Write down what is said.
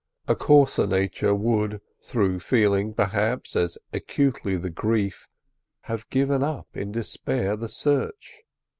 A coarser nature would, though feeling, perhaps, as acutely the grief, have given up in despair the search.